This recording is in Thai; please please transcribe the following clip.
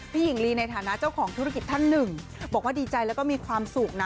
หญิงลีในฐานะเจ้าของธุรกิจท่านหนึ่งบอกว่าดีใจแล้วก็มีความสุขนะ